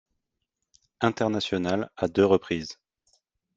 International à deux reprises.